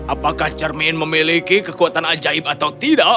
apakah cermin memiliki kekuatan ajaib atau tidak